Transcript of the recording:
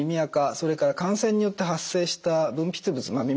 それから感染によって発生した分泌物耳